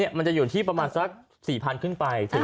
มันจะอยู่ที่ประมาณสัก๔๐๐ขึ้นไป